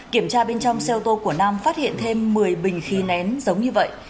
kiểm tra bên trong xe ô tô của nam phát hiện thêm một mươi bình khí nén giống như vậy